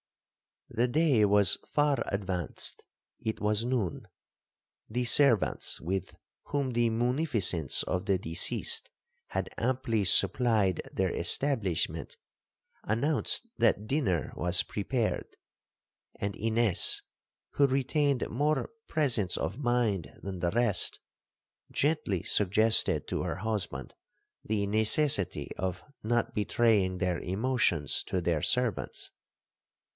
'The day was far advanced,—it was noon. The servants, with whom the munificence of the deceased had amply supplied their establishment, announced that dinner was prepared; and Ines, who retained more presence of mind than the rest, gently suggested to her husband the necessity of not betraying their emotions to their servants.